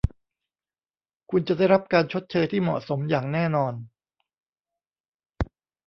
คุณจะได้รับการชดเชยที่เหมาะสมอย่างแน่นอน